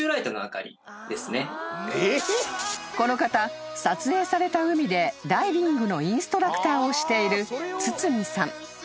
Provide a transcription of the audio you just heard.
［この方撮影された海でダイビングのインストラクターをしている］